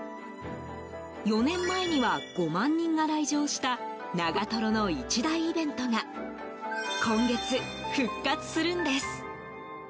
４年前には５万人が来場した長瀞の一大イベントが今月、復活するんです。